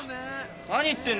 何言ってんだよ。